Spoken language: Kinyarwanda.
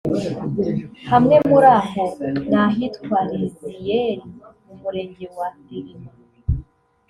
Hamwe muri ho ni ahitwa Riziyeri mu Murenge wa Rilima